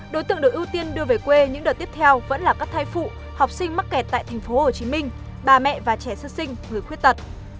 đối tượng được ưu tiên đưa về quê những đợt tiếp theo vẫn là các thai phụ học sinh mắc kẹt tại tp hcm bà mẹ và trẻ sơ sinh người khuyết tật